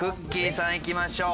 さんいきましょう。